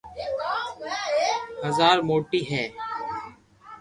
بزارر موٽي هي